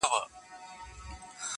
اوبه په اوبو گډېږي-